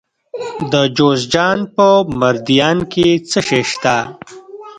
د جوزجان په مردیان کې څه شی شته؟